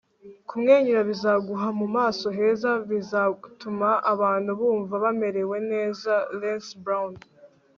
kumwenyura bizaguha mu maso heza bizatuma abantu bumva bamerewe neza. - les brown